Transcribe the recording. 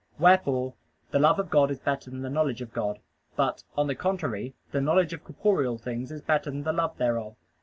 Wherefore the love of God is better than the knowledge of God; but, on the contrary, the knowledge of corporeal things is better than the love thereof.